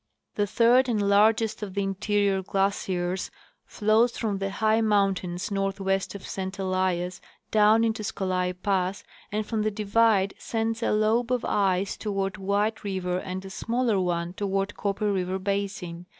The third and largest of the interior glaciers flows from the high mountains northwest of St Elias down into Scolai pass, and from the divide sends a lobe of ice toward White river and a smaller one toward Copper River basin.